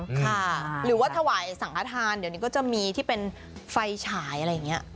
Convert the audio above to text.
ค่ะหรือว่าถวายสังฆฐานเดี๋ยวนี้ก็จะมีที่เป็นไฟฉายอะไรอย่างนี้